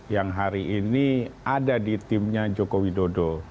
yang hari ini ada di timnya jokowi dodo